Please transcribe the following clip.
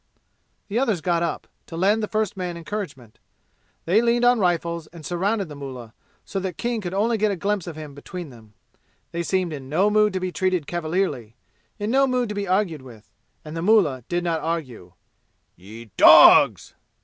The others got up, to lend the first man encouragement. They leaned on rifles and surrounded the mullah, so that King could only get a glimpse of him between them. They seemed in no mood to be treated cavalierly in no mood to be argued with. And the Mullah did not argue. "Ye dogs!"